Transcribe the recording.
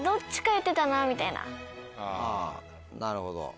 なるほど。